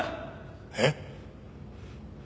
えっ？